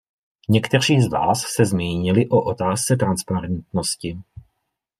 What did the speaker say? Někteří z vás se zmínili o otázce transparentnosti.